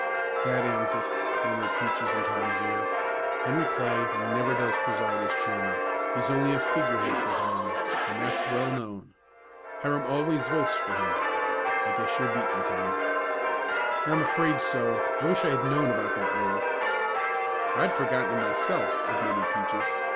"That ends it," murmured Peaches in Tom's ear. "Henry Clay never does preside as chairman. He's only a figurehead for Hiram, and that's well known. Hiram always votes for him. I guess you're beaten Tom." "I'm afraid so. I wish I'd known about that rule." "I'd forgotten it myself," admitted Peaches.